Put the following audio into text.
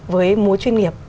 với múa chuyên nghiệp